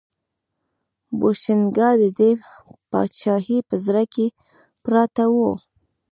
بوشنګان د دې پاچاهۍ په زړه کې پراته وو.